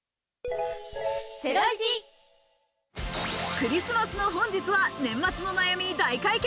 クリスマスの本日は年末の悩み大解決